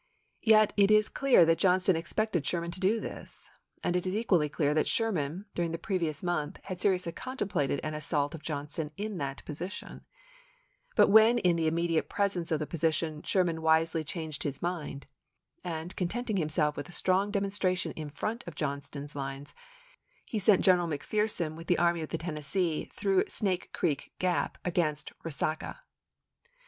Yet it is clear that Johnston expected Sherman to do this, and it is equally clear that Sherman, during the previous month, had seriously contemplated an assault of Johnston in that position ; but when in the imme diate presence of the position Sherman wisely changed his mind, and, contenting himself with a strong demonstration in front of Johnston's lines, he sent General McPherson with the Army of the Tennessee through Snake Creek Gap against Resaca.